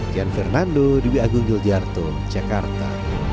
tian fernando di wi agung giljarto jakarta